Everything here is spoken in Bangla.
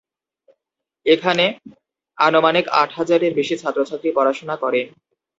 এখানে আনুমানিক আট হাজারের বেশি ছাত্র -ছাত্রী পড়াশুনা করে।